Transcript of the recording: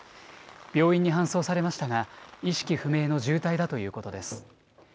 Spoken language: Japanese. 病院に搬送されましたが、意識不明の重体だということです。